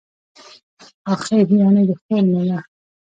اخښی، يعني د خور مېړه.